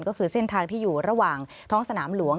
ก็คือเส้นทางที่อยู่ระหว่างท้องสนามหลวง